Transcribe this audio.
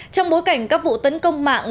trong bối cảnh các vụ tấn công mạng